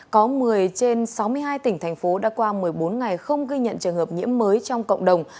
có một mươi trên sáu mươi hai tỉnh thành phố đã qua một mươi bốn ngày không ghi nhận trường hợp nhiễm mới trong cộng đồng